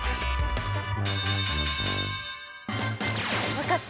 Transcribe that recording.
わかった？